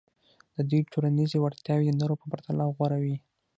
د دوی ټولنیزې وړتیاوې د نورو په پرتله غوره وې.